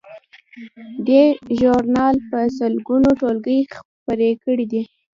دې ژورنال په سلګونو ټولګې خپرې کړې دي.